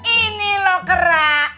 ini loh kerak